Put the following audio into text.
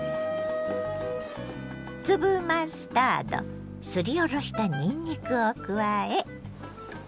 粒マスタードすりおろしたにんにくを加え。